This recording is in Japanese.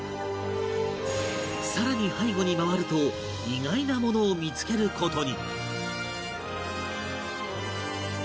さらに背後に回ると意外なものを見つける事に